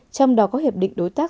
trong đó có hiệp định đối tác